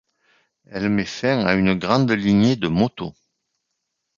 Elle met fin à une grande lignée de motos.